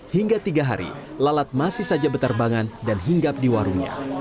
hingga tiga hari lalat masih saja beterbangan dan hinggap di warungnya